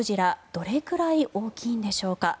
どれくらい大きいんでしょうか。